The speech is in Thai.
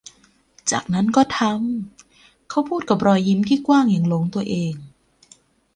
จากนั้นก็ทำ เขาพูดกับรอยยิ้มที่กว้างอย่างหลงตัวเอง